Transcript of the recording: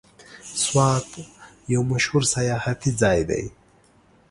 سوات یو مشهور سیاحتي ځای دی.